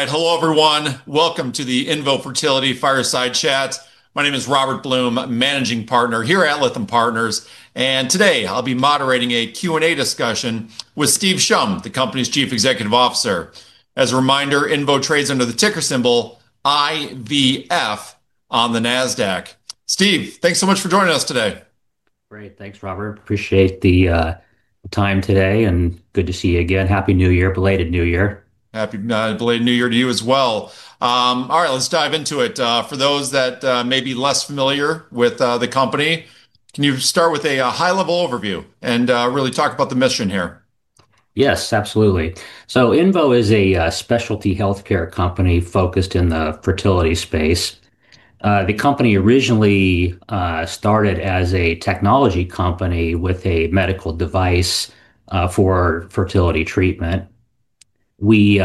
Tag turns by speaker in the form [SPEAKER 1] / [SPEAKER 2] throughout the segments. [SPEAKER 1] All right. Hello, everyone. Welcome to the INVO Fertility Fireside Chat. My name is Robert Blum, Managing Partner here at Lithium Partners. And today I'll be moderating a Q&A discussion with Steve Shum, the company's Chief Executive Officer. As a reminder, INVO trades under the ticker symbol IVF on the Nasdaq. Steve, thanks so much for joining us today.
[SPEAKER 2] Great. Thanks, Robert. Appreciate the time today. And good to see you again. Happy New Year. Belated New Year.
[SPEAKER 1] Happy Belated New Year to you as well. All right, let's dive into it. For those that may be less familiar with the company, can you start with a high-level overview and really talk about the mission here?
[SPEAKER 2] Yes, absolutely. So INVO is a specialty healthcare company focused in the fertility space. The company originally started as a technology company with a medical device for fertility treatment. We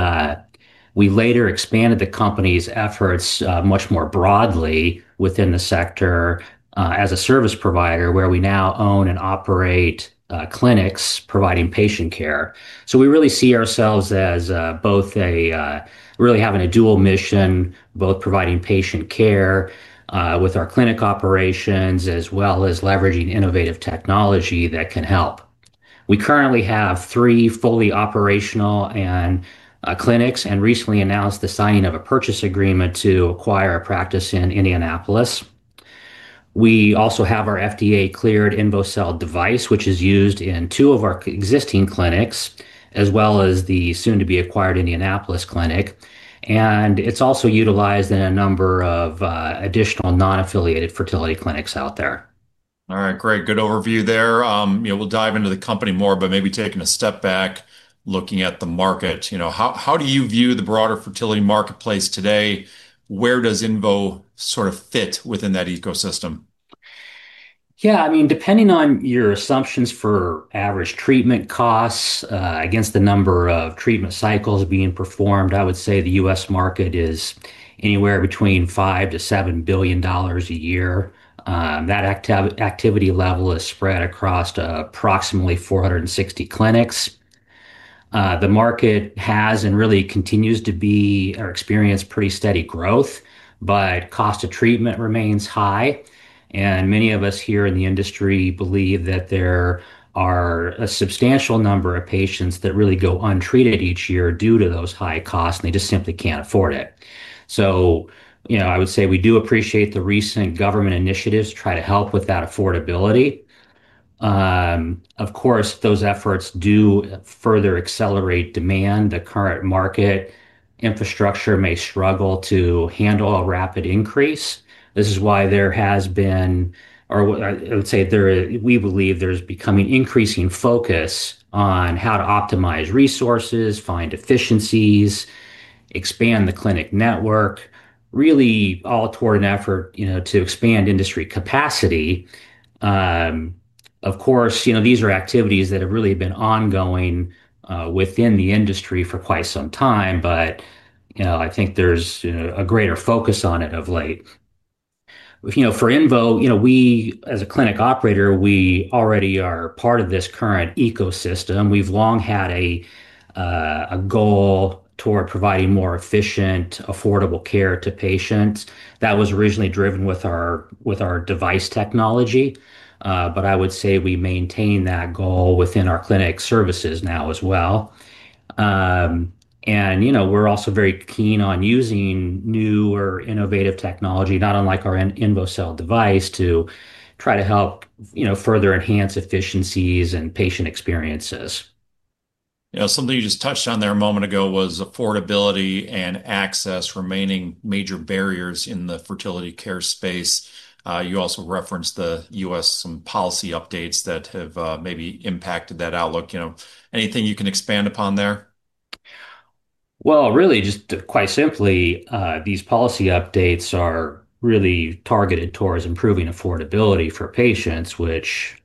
[SPEAKER 2] later expanded the company's efforts much more broadly within the sector as a service provider where we now own and operate clinics providing patient care. So we really see ourselves as both really having a dual mission, both providing patient care with our clinic operations as well as leveraging innovative technology that can help. We currently have three fully operational clinics and recently announced the signing of a purchase agreement to acquire a practice in Indianapolis. We also have our FDA-cleared INVOcell device, which is used in two of our existing clinics, as well as the soon-to-be-acquired Indianapolis clinic. And it's also utilized in a number of additional non-affiliated fertility clinics out there.
[SPEAKER 1] All right, great. Good overview there. We'll dive into the company more, but maybe taking a step back, looking at the market. How do you view the broader fertility marketplace today? Where does INVO sort of fit within that ecosystem?
[SPEAKER 2] Yeah, I mean, depending on your assumptions for average treatment costs against the number of treatment cycles being performed, I would say the U.S. market is anywhere between $5-$7 billion a year. That activity level is spread across approximately 460 clinics. The market has and really continues to be experiencing pretty steady growth, but cost of treatment remains high. And many of us here in the industry believe that there are a substantial number of patients that really go untreated each year due to those high costs, and they just simply can't afford it. So I would say we do appreciate the recent government initiatives to try to help with that affordability. Of course, those efforts do further accelerate demand. The current market infrastructure may struggle to handle a rapid increase. This is why there has been, or I would say we believe there's becoming increasing focus on how to optimize resources, find efficiencies, expand the clinic network, really all toward an effort to expand industry capacity. Of course, these are activities that have really been ongoing within the industry for quite some time, but I think there's a greater focus on it of late. For INVO, as a clinic operator, we already are part of this current ecosystem. We've long had a goal toward providing more efficient, affordable care to patients. That was originally driven with our device technology, but I would say we maintain that goal within our clinic services now as well, and we're also very keen on using new or innovative technology, not unlike our INVOcell device, to try to help further enhance efficiencies and patient experiences.
[SPEAKER 1] Something you just touched on there a moment ago was affordability and access remaining major barriers in the fertility care space. You also referenced the U.S. some policy updates that have maybe impacted that outlook. Anything you can expand upon there?
[SPEAKER 2] Really, just quite simply, these policy updates are really targeted towards improving affordability for patients, which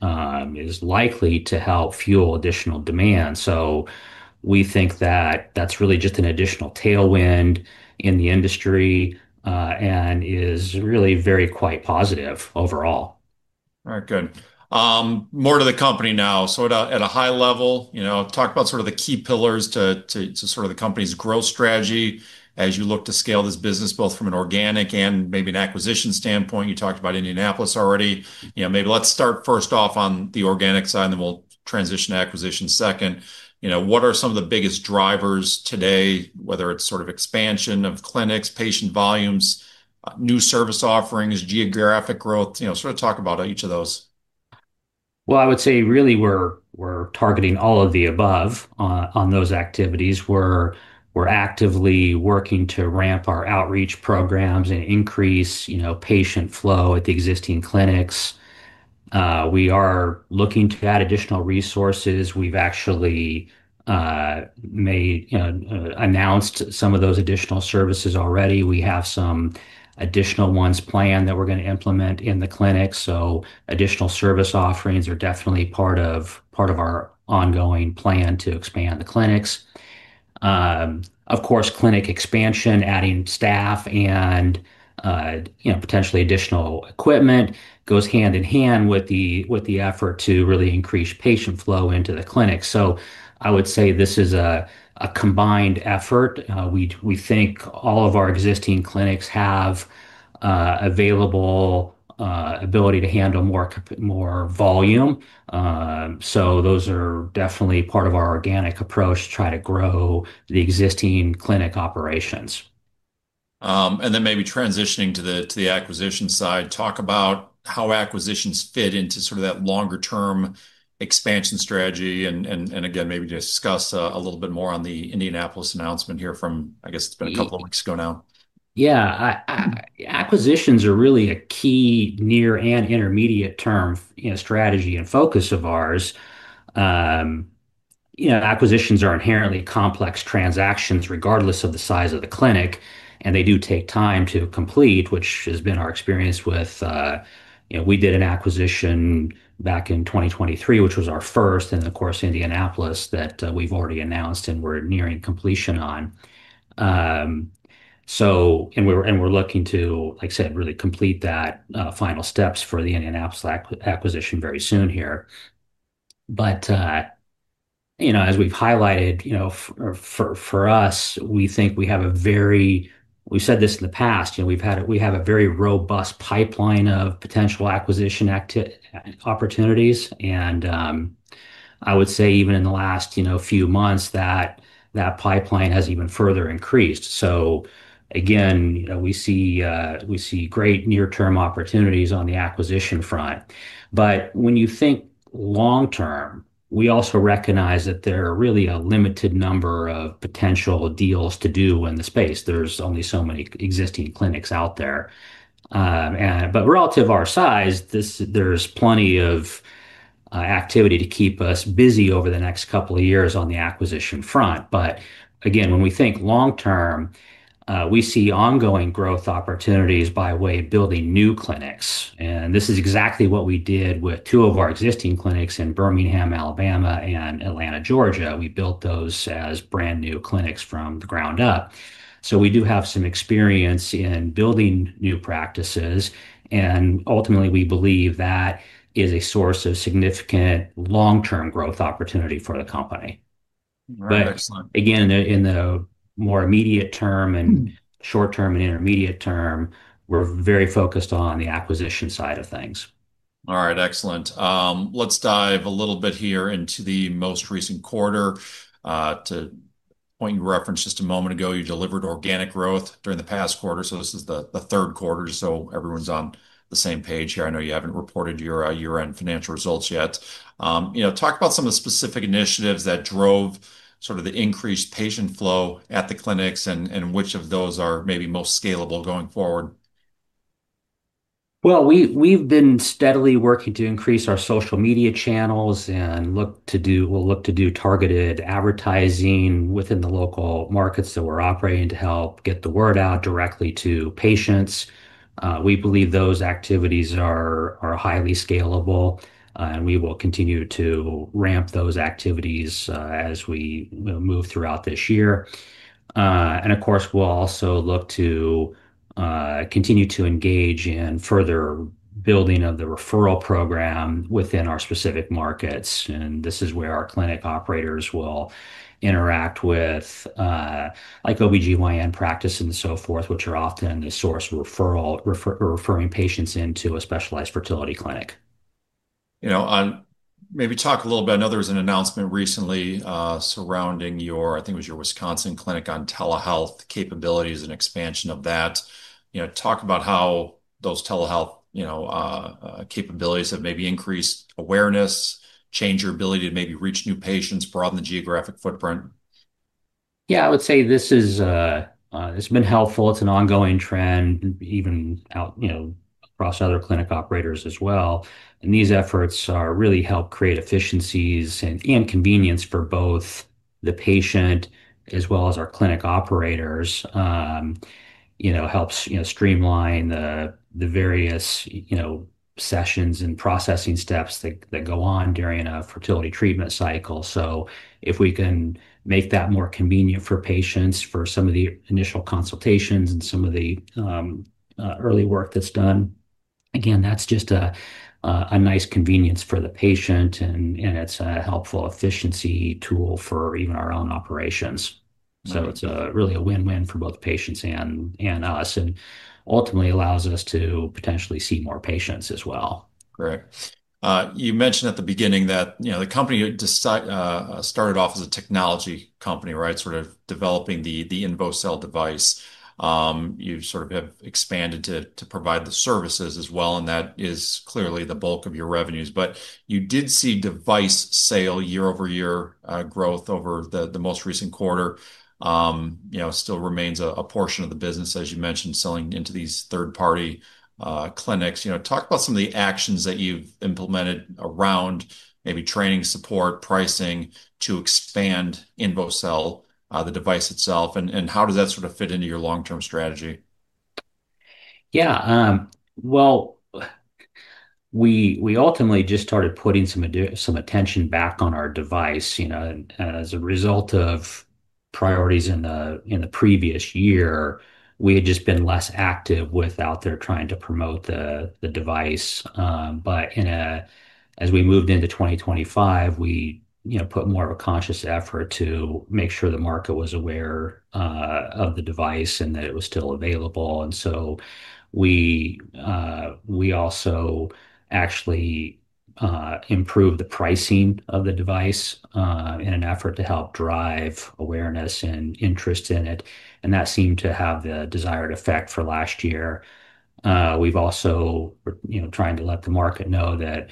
[SPEAKER 2] is likely to help fuel additional demand. We think that that's really just an additional tailwind in the industry and is really very quite positive overall.
[SPEAKER 1] All right, good. More to the company now. So at a high level, talk about sort of the key pillars to sort of the company's growth strategy as you look to scale this business both from an organic and maybe an acquisition standpoint. You talked about Indianapolis already. Maybe let's start first off on the organic side, and then we'll transition to acquisition second. What are some of the biggest drivers today, whether it's sort of expansion of clinics, patient volumes, new service offerings, geographic growth? Sort of talk about each of those.
[SPEAKER 2] I would say really we're targeting all of the above on those activities. We're actively working to ramp our outreach programs and increase patient flow at the existing clinics. We are looking to add additional resources. We've actually announced some of those additional services already. We have some additional ones planned that we're going to implement in the clinic. Additional service offerings are definitely part of our ongoing plan to expand the clinics. Of course, clinic expansion, adding staff, and potentially additional equipment goes hand in hand with the effort to really increase patient flow into the clinic. I would say this is a combined effort. We think all of our existing clinics have available ability to handle more volume. Those are definitely part of our organic approach to try to grow the existing clinic operations.
[SPEAKER 1] And then maybe transitioning to the acquisition side, talk about how acquisitions fit into sort of that longer-term expansion strategy. And again, maybe discuss a little bit more on the Indianapolis announcement here from, I guess, it's been a couple of weeks ago now.
[SPEAKER 2] Yeah, acquisitions are really a key near and intermediate term strategy and focus of ours. Acquisitions are inherently complex transactions, regardless of the size of the clinic, and they do take time to complete, which has been our experience with. We did an acquisition back in 2023, which was our first, and of course, Indianapolis that we've already announced and we're nearing completion on, and we're looking to, like I said, really complete that final steps for the Indianapolis acquisition very soon here, but as we've highlighted, for us, we think we have a very—we've said this in the past—we have a very robust pipeline of potential acquisition opportunities. And I would say even in the last few months that that pipeline has even further increased, so again, we see great near-term opportunities on the acquisition front. But when you think long-term, we also recognize that there are really a limited number of potential deals to do in the space. There's only so many existing clinics out there. But relative to our size, there's plenty of activity to keep us busy over the next couple of years on the acquisition front. But again, when we think long-term, we see ongoing growth opportunities by way of building new clinics. And this is exactly what we did with two of our existing clinics in Birmingham, Alabama, and Atlanta, Georgia. We built those as brand new clinics from the ground up. So we do have some experience in building new practices. And ultimately, we believe that is a source of significant long-term growth opportunity for the company. But again, in the more immediate term and short-term and intermediate term, we're very focused on the acquisition side of things.
[SPEAKER 1] All right, excellent. Let's dive a little bit here into the most recent quarter. To the point you referenced just a moment ago, you delivered organic growth during the past quarter. So this is the third quarter. So everyone's on the same page here. I know you haven't reported your year-end financial results yet. Talk about some of the specific initiatives that drove sort of the increased patient flow at the clinics and which of those are maybe most scalable going forward.
[SPEAKER 2] Well, we've been steadily working to increase our social media channels and will look to do targeted advertising within the local markets that we're operating to help get the word out directly to patients. We believe those activities are highly scalable, and we will continue to ramp those activities as we move throughout this year. And of course, we'll also look to continue to engage in further building of the referral program within our specific markets. And this is where our clinic operators will interact with OB-GYN practice and so forth, which are often the source of referring patients into a specialized fertility clinic.
[SPEAKER 1] Maybe talk a little bit. I know there was an announcement recently surrounding your, I think it was your Wisconsin clinic on telehealth capabilities and expansion of that. Talk about how those telehealth capabilities have maybe increased awareness, changed your ability to maybe reach new patients, broaden the geographic footprint.
[SPEAKER 2] Yeah, I would say this has been helpful. It's an ongoing trend even across other clinic operators as well, and these efforts really help create efficiencies and convenience for both the patient as well as our clinic operators, helps streamline the various sessions and processing steps that go on during a fertility treatment cycle, so if we can make that more convenient for patients for some of the initial consultations and some of the early work that's done, again, that's just a nice convenience for the patient, and it's a helpful efficiency tool for even our own operations, so it's really a win-win for both patients and us, and ultimately allows us to potentially see more patients as well.
[SPEAKER 1] Great. You mentioned at the beginning that the company started off as a technology company, right, sort of developing the INVOcell device. You sort of have expanded to provide the services as well, and that is clearly the bulk of your revenues. But you did see device sale year-over-year growth over the most recent quarter. Still remains a portion of the business, as you mentioned, selling into these third-party clinics. Talk about some of the actions that you've implemented around maybe training, support, pricing to expand INVOcell, the device itself, and how does that sort of fit into your long-term strategy?
[SPEAKER 2] Yeah. We ultimately just started putting some attention back on our device. As a result of priorities in the previous year, we had just been less active with it out there trying to promote the device. As we moved into 2025, we put more of a conscious effort to make sure the market was aware of the device and that it was still available. We also actually improved the pricing of the device in an effort to help drive awareness and interest in it. That seemed to have the desired effect for last year. We've also been trying to let the market know that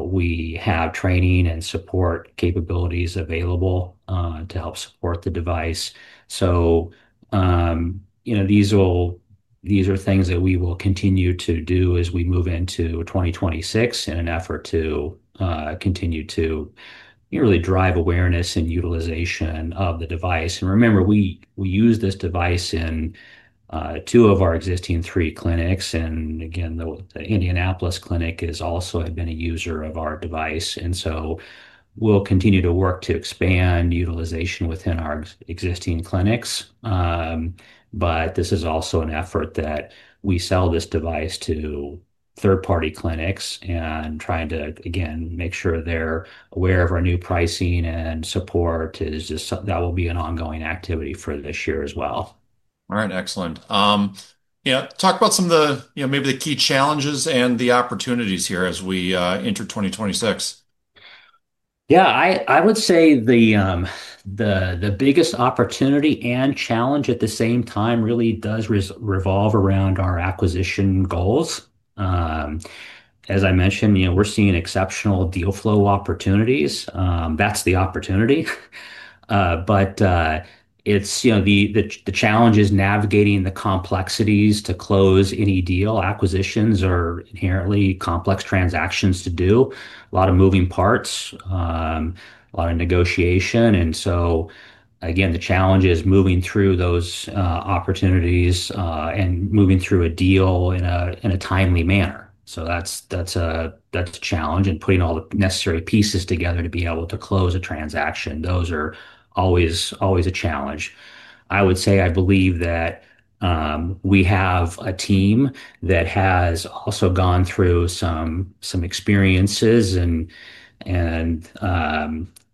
[SPEAKER 2] we have training and support capabilities available to help support the device. These are things that we will continue to do as we move into 2026 in an effort to continue to really drive awareness and utilization of the device. Remember, we use this device in two of our existing three clinics. Again, the Indianapolis clinic has also been a user of our device. So we'll continue to work to expand utilization within our existing clinics. This is also an effort that we sell this device to third-party clinics and trying to, again, make sure they're aware of our new pricing and support. That will be an ongoing activity for this year as well.
[SPEAKER 1] All right, excellent. Talk about some of the maybe the key challenges and the opportunities here as we enter 2026.
[SPEAKER 2] Yeah, I would say the biggest opportunity and challenge at the same time really does revolve around our acquisition goals. As I mentioned, we're seeing exceptional deal flow opportunities. That's the opportunity, but the challenge is navigating the complexities to close any deal. Acquisitions are inherently complex transactions to do. A lot of moving parts, a lot of negotiation, and so again, the challenge is moving through those opportunities and moving through a deal in a timely manner, so that's a challenge and putting all the necessary pieces together to be able to close a transaction. Those are always a challenge. I would say I believe that we have a team that has also gone through some experiences, and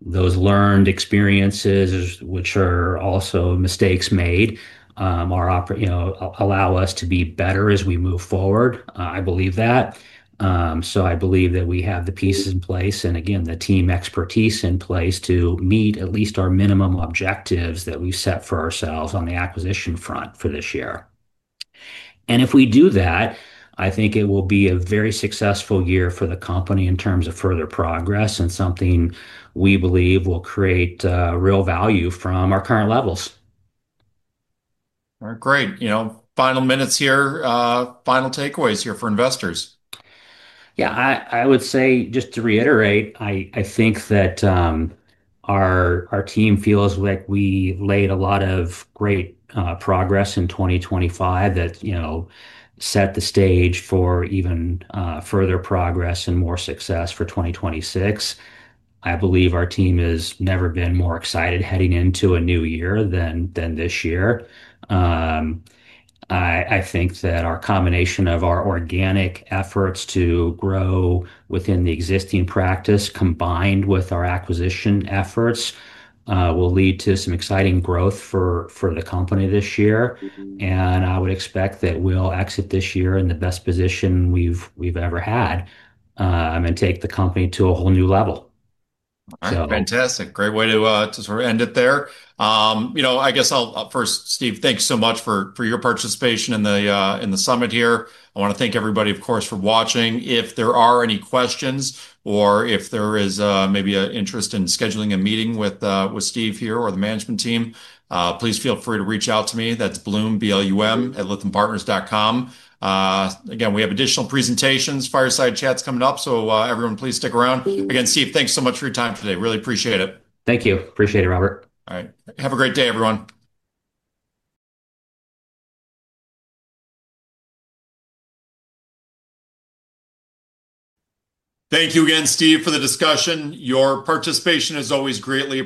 [SPEAKER 2] those learned experiences, which are also mistakes made, allow us to be better as we move forward. I believe that. So I believe that we have the pieces in place and, again, the team expertise in place to meet at least our minimum objectives that we've set for ourselves on the acquisition front for this year. And if we do that, I think it will be a very successful year for the company in terms of further progress and something we believe will create real value from our current levels.
[SPEAKER 1] All right, great. Final minutes here. Final takeaways here for investors.
[SPEAKER 2] Yeah, I would say just to reiterate, I think that our team feels like we made a lot of great progress in 2025 that set the stage for even further progress and more success for 2026. I believe our team has never been more excited heading into a new year than this year. I think that our combination of our organic efforts to grow within the existing practice combined with our acquisition efforts will lead to some exciting growth for the company this year. And I would expect that we'll exit this year in the best position we've ever had and take the company to a whole new level.
[SPEAKER 1] All right, fantastic. Great way to sort of end it there. I guess I'll first, Steve, thank you so much for your participation in the summit here. I want to thank everybody, of course, for watching. If there are any questions or if there is maybe an interest in scheduling a meeting with Steve here or the management team, please feel free to reach out to me. That's Blum, B-L-U-M, @lithiumpartners.com. Again, we have additional presentations, fireside chats coming up. So everyone, please stick around. Again, Steve, thanks so much for your time today. Really appreciate it.
[SPEAKER 2] Thank you. Appreciate it, Robert.
[SPEAKER 1] All right. Have a great day, everyone. Thank you again, Steve, for the discussion. Your participation is always greatly appreciated.